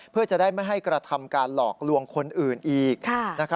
เพื่อจะได้ไม่ให้กระทำการหลอกลวงคนอื่นอีก